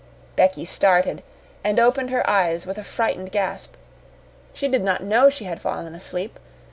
Becky started, and opened her eyes with a frightened gasp. She did not know she had fallen asleep.